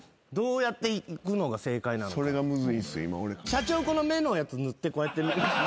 シャチホコの目のやつ塗ってこうやって。